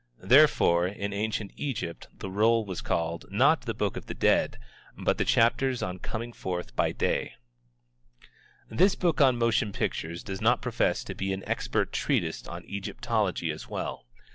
Therefore in Ancient Egypt the roll was called, not the Book of the Dead, but The Chapters on Coming Forth by Day. This book on motion pictures does not profess to be an expert treatise on Egyptology as well.